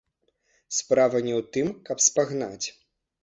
Справа не ў тым, каб спагнаць.